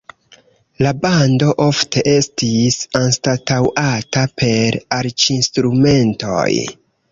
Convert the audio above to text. La bando ofte estis anstataŭata per arĉinstrumentoj.